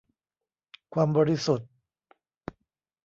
ความบริสุทธิ์